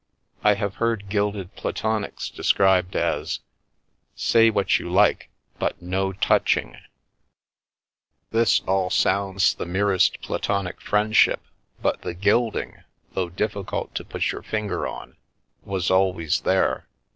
I have heard gilded platonics described as " Say what you like, but no touching !" This all sounds the merest platonic friendship, but the gilding, though difficult to put your finger on, was always there.